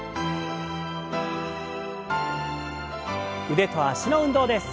腕と脚の運動です。